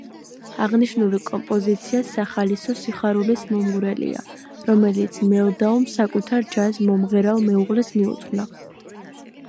აღნიშნული კომპოზიცია სახალისო, სიხარულის მომგვრელია, რომელიც მელდაუმ საკუთარ ჯაზ-მომღერალ მეუღლეს მიუძღვნა.